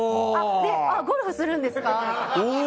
で、ゴルフするんですか！